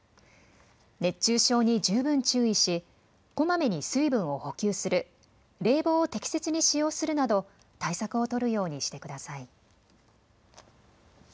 熱中症に十分注意しこまめに水分を補給する、冷房を適切に使用するなど対策を取るようにしてください。